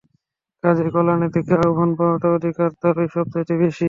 কাজেই কল্যাণের দিকে আহ্বান পাওয়ার অধিকার তারই সবচাইতে বেশি।